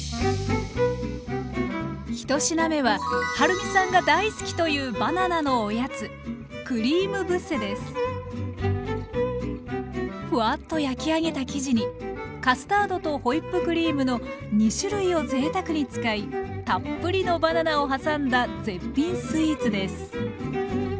１品目ははるみさんが大好きというバナナのおやつフワッと焼き上げた生地にカスタードとホイップクリームの２種類をぜいたくに使いたっぷりのバナナを挟んだ絶品スイーツです！